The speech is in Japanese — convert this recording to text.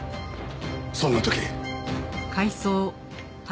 そんな時。